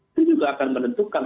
itu juga akan menentukan